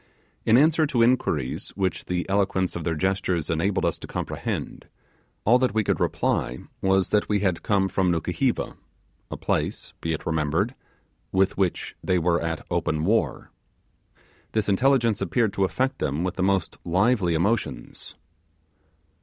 In answer to inquiries which the eloquence of their gestures enabled us to comprehend, all that we could reply was, that we had come from Nukuheva, a place, be it remembered, with which they were at open war. This intelligence appeared to affect them with the most lively emotions.